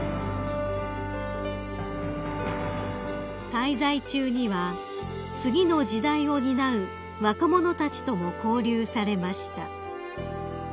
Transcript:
［滞在中には次の時代を担う若者たちとも交流されました］